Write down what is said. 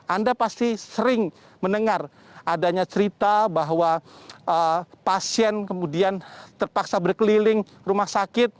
anda pasti sering mendengar adanya cerita bahwa pasien kemudian terpaksa berkeliling rumah sakit